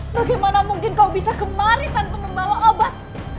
bagaimana mungkin kau bisa kemari tanpa membawa obat